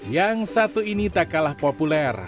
yang satu ini tak kalah populer